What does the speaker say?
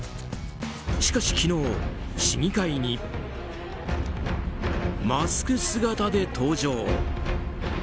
しかし、昨日市議会にマスク姿で登場。